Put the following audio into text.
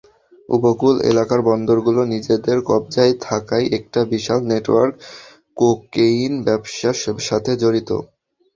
উপকূল এলাকার বন্দরগুলো নিজেদের কব্জায় থাকায় একটা বিশাল নেটওয়ার্ক কোকেইন ব্যবসার সাথে জড়িত।